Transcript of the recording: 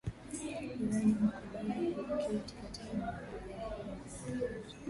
iran imekubali kuketi katika meza moja ya mazungumzo